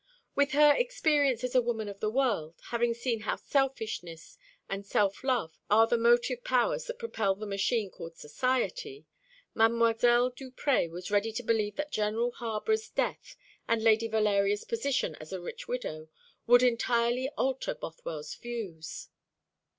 With her experience as a woman of the world, having seen how selfishness and self love are the motive powers that propel the machine called society, Mdlle. Duprez was ready to believe that General Harborough's death, and Lady Valeria's position as a rich widow, would entirely alter Bothwell's views.